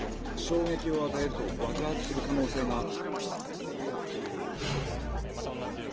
衝撃を与えると爆発する可能性が。